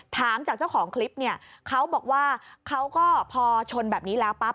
ถามจากเจ้าของคลิปเนี่ยเขาบอกว่าเขาก็พอชนแบบนี้แล้วปั๊บ